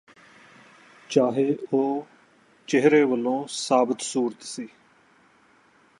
ਚਾਹੇ ਉਹ ਚਿਹਰੇ ਵੱਲੋਂ ਸਾਬਤ ਸੂਰਤ ਸੀ